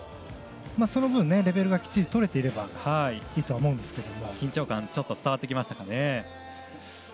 その分、レベルがきっちり取れていればいいとは思うんですけども緊張感がちょっと伝わってきましたかね。